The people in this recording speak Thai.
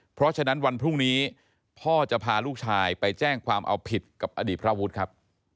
เพราะฉะนั้นวันพรุ่งนี้พ่อจะพาลูกชายไปแจ้งความเอาผิดกับอดีตพระวุฒิครับ